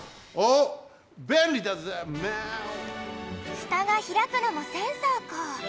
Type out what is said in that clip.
ふたがひらくのもセンサーか。